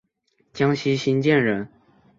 江西新建人。